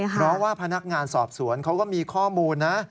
เพราะว่าพนักงานสอบสวนเขาก็มีข้อมูลนะ